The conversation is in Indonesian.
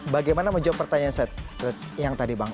bagaimana menjawab pertanyaan yang tadi bang